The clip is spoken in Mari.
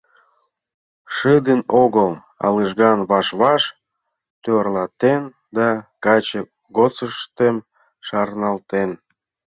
Шыдын огыл, а лыжган, ваш-ваш тӧрлатен да каче годсыштым шарналтен.